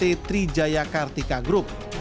pt trijaya kartika group